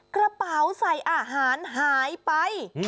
กระเป๋าใส่อาหารหายไป